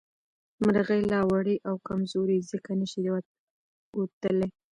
مرغۍ لا وړې او کمزورې دي ځکه نه شي اوتلې